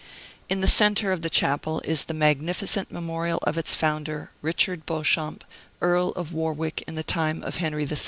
In the centre of the chapel is the magnificent memorial of its founder, Richard Beauchamp, Earl of Warwick in the time of Henry VI.